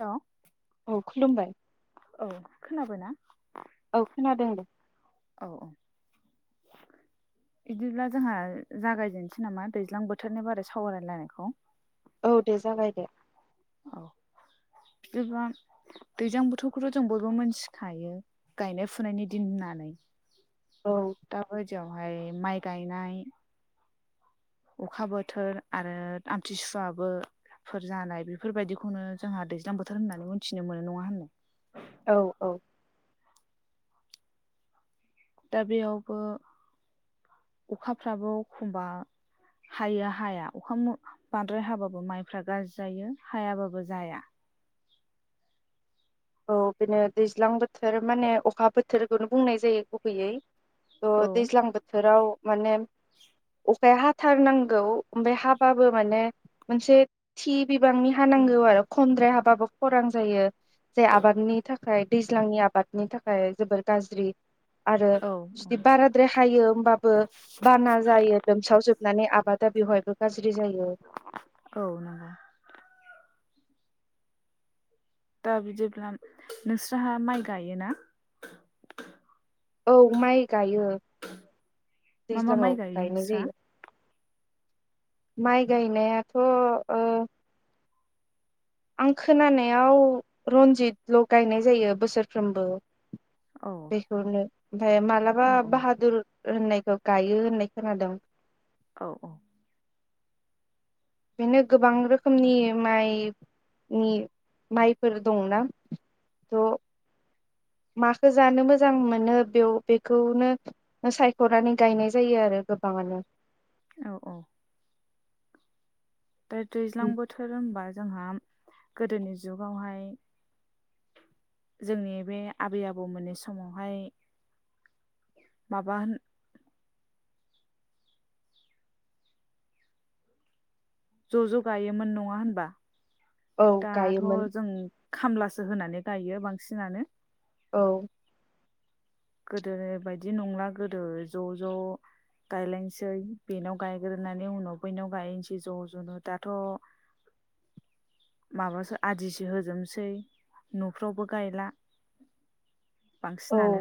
Hello. औ खुलुमबाय। खोनाबाय ना। औ खोनादों दे। औ औ। बिदिब्ला जोंहा जागायजेननोसै नामा दैज्लां बोथोरनि बारै सावरायलायनायखौ औ दे जाबाय दे। औ बिदिबा दैज्लां बोथोरखौथ' जों बयबो मोनथिखायो गायनाय फुनायनि दिन होननानै। औ। दा बायदियावहाय माइ गायनाय अखा बोथोर आरो आमथिसुवाबोफोर जानाय बेफोरबायदिखौनो जोंहा दैज्लां बोथोर होननानै मोनथिनो मोनो नङा होननाय। औ औ। दा बेयावबो अखाफ्राबो एखमबा हायो हाया अखा बांद्राय हाबाबो माइफ्रा गाज्रि जायो हायाबाबो जाया। औ बिनो दैज्लां बोथोर माने अखा बोथोरखौनो बुंनाय जायो गुबैयै। औ थ' दैज्लां बोथोराव माने अखाया हाथारनांगौ ओमफ्राय हाबाबो माने मोनसे थि बिबांनि हा नांगौ आरो खमद्राय हाब बाबो खरां जायो। जाय आबादनि थाखाय दैज्लांनि आबादनि थाखाय जोबोर गाज्रि आरो औ जुदि बाराद्राय हायो होमबाबो बाना जायो लोमसाव जोबनानै आबादा बेवहायबो गाज्रि जायो। औ नंगौ दा बिदिब्ला नोंसोरहा माइ गायोना। औ माइ गायो मा मा दैज्लाङाव माइ गाय गायनाय नोंस्रा। जायो माइ गायनायाथ' आं खोनानायाव रन्जितल' गायनाय जायो बोसोरफ्रोमबो। औ बेखौनो ओमफफ्राय मालाबा औ बाहादुर होननायखौ। गायो होननाय खोनादों। औ औ। बेनो गोबां रोखोमनि माइनि माइफोर दंना थ' माखौ जानो मोजां मोनो बेयाव बेखौनो सायख'नानै गायनाय जायो आरो गोबाङानो। औ औ। दा दैज्लां बोथोर होनोबा जोंहा गोदोनि जुगावहाय जोंनि बे आबै आबौमोननि समावहाय माबा होन ज' ज' गायोमोन नङा होनबा औ दाथ' गायोमोन जों खामलासो होनानै गायो बांसिनानो औ गोदो बायदि नंला गोदो ज' ज' गायलायनोसै बेनाव गायग्रोनानै उनाव बैनाव गायैसै ज' ज'नो दाथ' माबासो आदिसो होजोबनोसै न'फ्रावबो गायला। औ बांसिनानो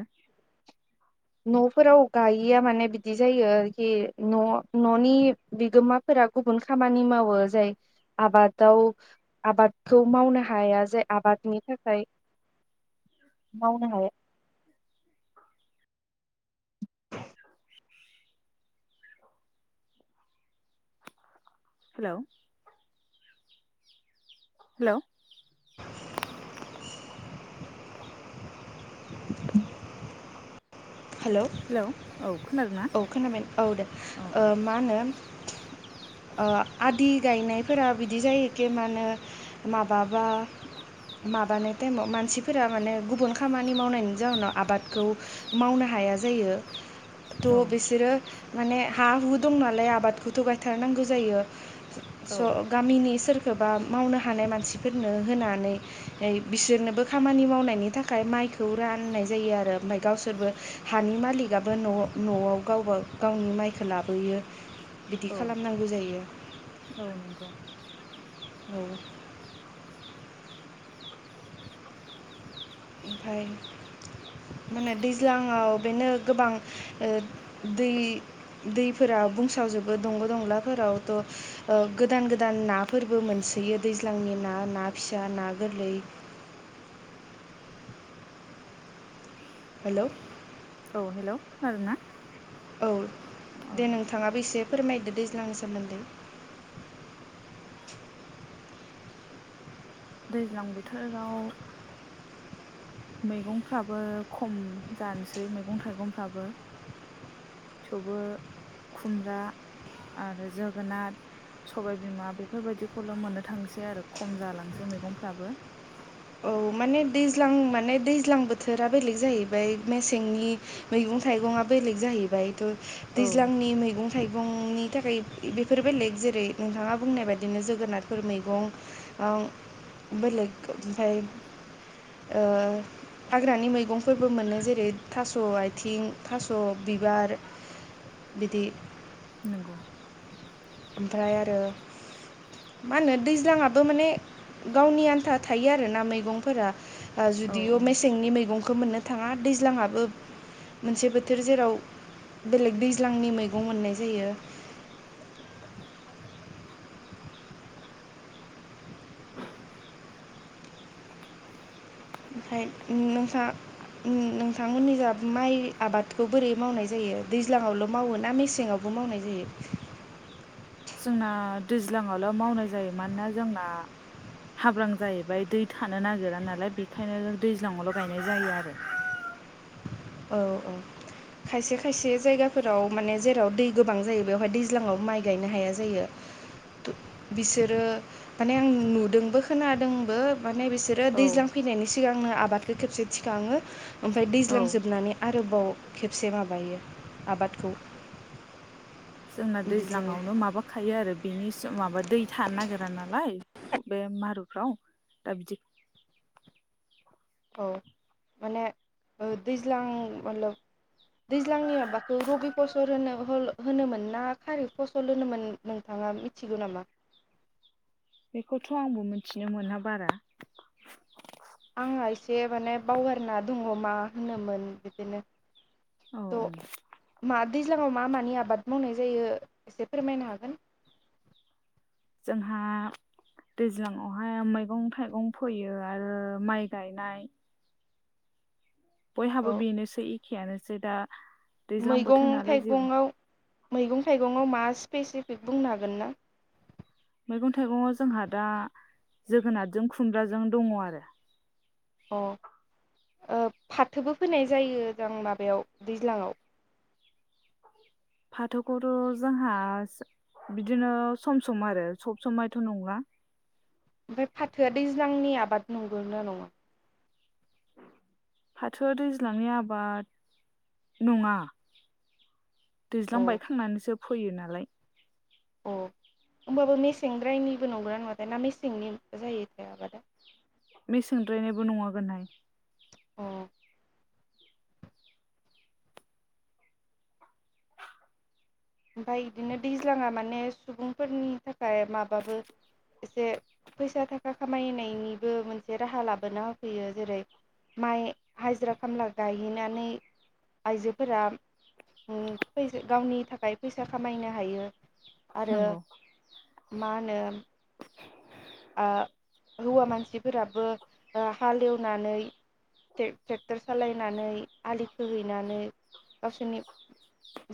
न'फोराव गायिया माने बिदि जायो आरोखि न न'नि बिगोमाफोरा गुबुन खामानि मावो जाय आबादाव आबादखौ मावनो हाया जाय आबादनि थाखाय मावनो हाया। हेलौ। हेलौ। [inaudible] हेल' हेलौ खोनादोंना औ खोनाबाय औ दे औ मा होनो। आदि गायनायफोरा बिदि जायोखे मा होनो माबाबा माबानाय टाइमाव मानसिफोरा माने गुबुन खामानि मावनायनि जाउोनाव आबादखौ मावनो हाया जायो। औ थ' बिसोरो माने हा हु दं नालाय आबादखौथ' गायथारनांगौ जायो। औ स' गामिनि सोर खोबा मावनो हानाय मानसिफोरनो होनानै बिसोरनोबो खामानि मावनायनि थाखाय माइखौ राननाय जायो आरो ओमफ्राय गावसोर सोरबो हानि मालिकआबो न' न'आव गावबा गावनि माइखो लाबोयो। बिदि औ खालामनांगौ जायो। औ नंगौ औ ओमफाय मानो दैज्लङाव बेनो गोबां दै-दैफोरा बुंसावजोबो दंग' दंलाफोराव थ' गोदान गोदान नाफोरबो मोनसोयो दैज्लांनि ना ना फिसा ना गोरलै। हेलौ औ हेलौ खोनादों ना? औ दे नोंथाङाबो एसे फोरमायदो दैज्लांनि सोमोन्दै [inaudible] दैज्लां बोथोराव मैगंफ्राबो खम जानोसै मैगं थाइगंफ्राबो थेवबो खुमब्रा आरो जोगोनार सबायबिमा बेफोरबायदिखौल' मोननो थांसै आरो खम जालांसै मैगंफ्राबो। औ माने दैज्लां माने दैज्लां बोथोरा बेलेग जाहैबाय मेसेंनि मैगं थाइगंआ बेलेग जाहैबाय। थ' औ दैज्लांनि मैगं थाइगं सुबुंनि थाखाय बेफोर बेलेग जेरै नोंथाङा बुंनाय बायदिनो जोगोनारफोर मैगं ओ बेलेग ओमफाय ओ हाग्रानि मैगंफोरबो मोनो जेरै थास' आयथिं थास' बिबार बिदि। नंगौ ओमफ्राय आरो मा होनो दैज्लाङाबो माने गावनि आन्था थायो आरोना मैगंफोरा। ओ औ जुदिअ औ मेसेंनि मैंगं खौ मोननो थाङा दैज्लांआबो मोनसे बोथोर जेराव बेलेग दैज्लांनि मैगं मोननाय जायो। [unintelligible] ओमफ्राय नोंथां नोंथांमोननि जा माइ आबादखौ बोरै मावनाय जायो दैज्लाङावल' मावो ना मेसेंआवबो मावनाय जायो? जोंना दैज्लाङावल' मावनाय जायो मानोना जोंना हाब्रां जाहैबाय दै थानो नागिरा नालाय बेखायनो दैज्लाङावल' गायनाय जायो आरो औ औ खायसे खायसे जायगाफोराव माने जेराव दै गोबां जायो बेवहाय दैज्लाङाव माइ गायनो हाया जायो बिसोरो माने आं नुदोंबो खोनादोंबो। माने बिसोरो दैज्लां फैनायनि सिगांनो आ बादखो खेबसे थिखाङो। ओमफ्राय औ दैज्लां जोब आरोबाव खेबसे माबायो आबादखौ। जोंना दैज्लां बिदिनो आवनो माबाखायो आरो बेनि जों माबा दै थानो नागिरा नालाय बे मारुफ्राव दा बिदि औ माने ओ दैज्लां मब दैज्लांनि माबाखौ रबि फसल होनो होनोमोन ना खारि फसल होनोमोन नोंथाङा मिथिगौ नामा? बेखौथ' आंबो मिथिनो मोना बारा। आंहा एसे माने बावगारना दङ मा होनोमोन बिदिनो औ औ दैज्लांआव मा मानि आबाद मावनाय जायो एसे फोरमायनो हागोन? जोंहा दैज्लाङावहाय मैगं थाइगं फोयो आरो माइ गायनाय। बयहाबो औ बेनोसै एखे आनोसै दा दैज्लां बोथोर मैगं नालाय जेबो थाइगंआव मैगं थाइगंआव मा स्पेसिफिक बुंनो हागोन ना? मैगं थाइगङाव जोंहा दा जोगोनारजों खुमब्राजों दङ आरो अ ओ फाथोबो फैनाय जायोदां माबायाव दैज्लाङआव फाथोखौथ' जोंहा बिदिनो सम सम आरो सब समायथ' नंला ओमफ्राय फाथोआ दैज्लांनि आबाद नंगौ ना नङा? फाथो दैज्लांनि आबाद नङा अ दैज्लां बायखांनानैसो फैयो नालाय अ होमबाबो मेसेंद्रायनिबो नंगौना नङाथाय ना मेसेंनि जायो थायाबादा मेसेंद्रायनायबो नङागोनहाय अ ओमफ्राय बिदिनो दैज्लाङा माने सुबुंफोरनि थाखा खाय माबाबो एसे फैसा थाखा खामायनायनिबो मोनसे राहा लाबोना होफैयो जेरै माइ हाजिरा खामला गायहैनानै आइजोफोरा उम फै गावनि थाखाय फैसा खामायनो हायो आरो नंगौ मा होनो ओ हौवा मानसिफोराबो ओ हालएवनानै टे-ट्रेक्टर सालायनानै आलि खोहैनानै गावसोरनि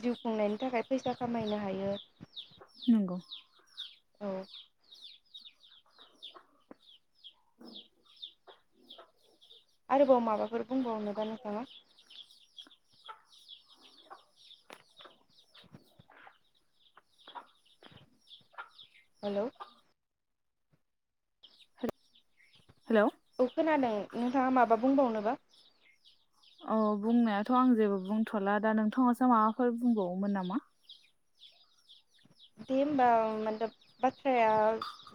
जिउ खुंनायनि थाखाय फैसा खामायनो हायो नंगौ औ आरोबाव माबाफोर बुंबावनोबा नोंथाङा? [inaudible] हेलौ हेलौ औ खोनादों नोंथाङा माबा बुंबावनोबा? औ बुंनायाथ' आं जेबो बुंथ'ला दा नोंथाङासो माबाफोर बुंबावोमोन नामा? दे होमबा माने बाथ्राया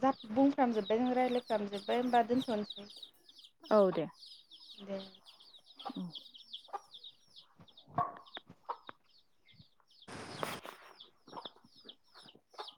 जा बुंफ्राम जोब्बाय जों रायज्लायफ्राम जोब्बाय होमबा दोनथ'नोसै औ दे दे [inaudible] [inaudible]